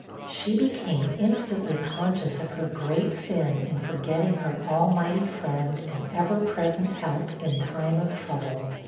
She became instantly conscious of her great sin in forgetting her almighty Friend and 'ever present help in time of trouble.'